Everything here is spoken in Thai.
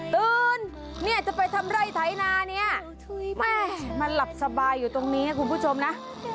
ตื่นเนี่ยจะไปทำไร่ไถนาเนี่ยแม่มันหลับสบายอยู่ตรงนี้คุณผู้ชมนะ